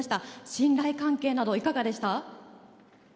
信頼関係などいかがでした？